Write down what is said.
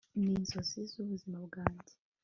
ni inzozi z'ubuzima bwanjye